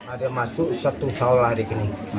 ada masuk satu saulah di sini